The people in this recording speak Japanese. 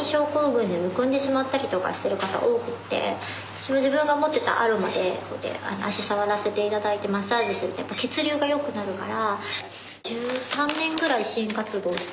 私も自分が持ってたアロマでこうやって足触らせていただいてマッサージしてるとやっぱ血流が良くなるから。